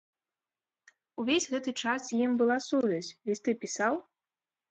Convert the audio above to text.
Увесь гэты час з ім была сувязь, лісты пісаў?